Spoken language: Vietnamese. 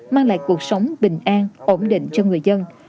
mang lại cuộc sống bình an ổn định cho người dân